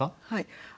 はい。